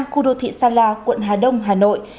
khu đô thị sa la quận hà đông hà nội